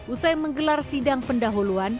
usai menggelar sidang pendahuluan